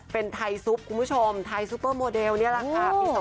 เป็นไทยซุปคุณผู้ชมไทยซุปเปอร์โมเดลนี่แหละค่ะปี๒๕๖